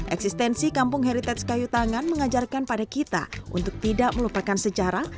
eksistensi kampung heritage kayu tangan mengajarkan pada kita untuk tidak melupakan sejarah